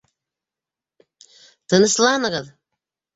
Тынысланығыҙ!